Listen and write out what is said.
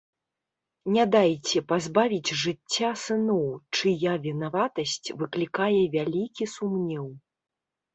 Не дайце пазбавіць жыцця сыноў, чыя вінаватасць выклікае вялікі сумнеў.